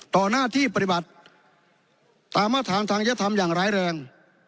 ต่อหน้าที่ปฏิบัติตามมาทางทางเยอะทำอย่างร้ายแรง